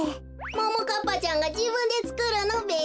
ももかっぱちゃんがじぶんでつくるのべ？